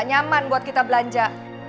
nyaman buat kita belanja